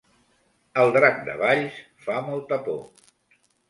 El drac de Valls fa molta por